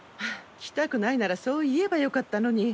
来たくないならそう言えばよかったのに。